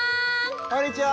こんにちは！